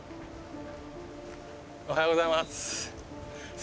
おはようございます。